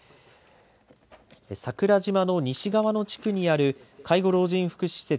桜島の西側の地区にある介護老人福祉施設